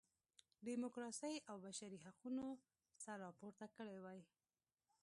ډیموکراسۍ او بشري حقونو سر راپورته کړی وای.